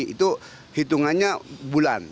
itu hitungannya bulan